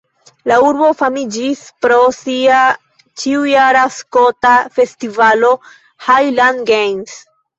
La urbo famiĝis pro sia ĉiujara skota festivalo Highland Games.